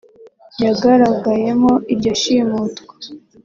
yagaragayemo iryo shimutwa